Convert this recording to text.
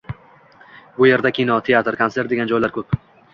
Bu yerda kino, teatr, kontsert degan joylar ko'p